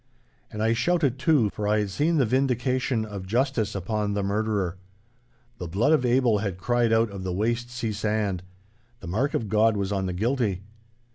And I shouted too, for I had seen the vindication of justice upon the murderer. The blood of Abel had cried out of the waste sea sand. The mark of God was on the guilty.